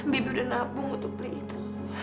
bibi udah nabung untuk beli itu